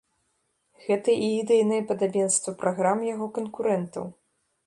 Гэта і ідэйнае падабенства праграм яго канкурэнтаў.